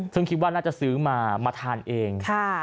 ซึ่งคิดว่าน่าจะซื้อมามาทานเอง